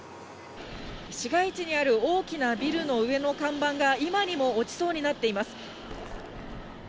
市街地にある大きなビルの上の看板が、今にも落ちそうになっています。